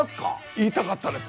言いたかったです。